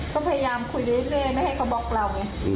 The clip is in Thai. ก็พยายามคุยเรื่อยไม่ให้เขาบอกเราไง